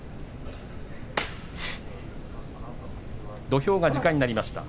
土俵が時間になりました